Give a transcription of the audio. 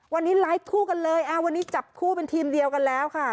วันนี้ไลฟ์คู่กันเลยวันนี้จับคู่เป็นทีมเดียวกันแล้วค่ะ